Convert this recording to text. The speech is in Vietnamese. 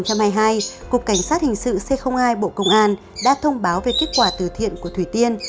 chiều hai mươi ba tháng một năm hai nghìn hai mươi hai cục cảnh sát hình sự c hai bộ công an đã thông báo về kết quả từ thiện của thủy tiên